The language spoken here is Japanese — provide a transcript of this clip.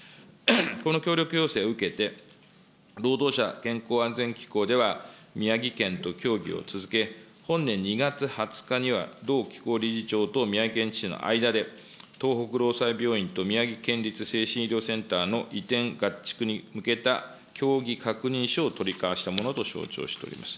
この協力要請を受けて、労働者健康安全機構では、宮城県と協議を続け、本年２月２０日には同機構理事長と宮城県知事の間で、東北労災病院と宮城県立精神医療センターの移転合築に向けた、協議確認書を取り交わしたものと承知をしております。